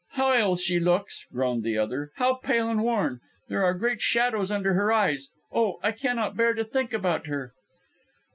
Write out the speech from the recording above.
"How ill she looks," groaned the other; "how pale and worn. There are great shadows under her eyes oh! I cannot bear to think about her!"